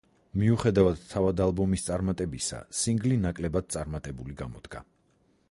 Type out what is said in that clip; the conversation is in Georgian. მიუხედავად თავად ალბომის წარმატებისა, სინგლი ნაკლებად წარმატებული გამოდგა.